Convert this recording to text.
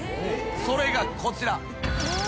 それがこちら。